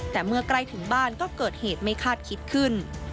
แต่เมื่อใกล้ถึงบ้านก็เกิดเหตุไม่คาดคิดขึ้น